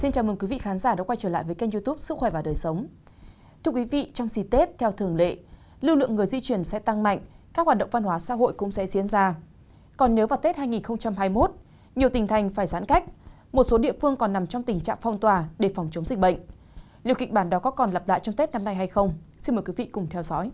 chào mừng quý vị đến với kênh youtube sức khỏe và đời sống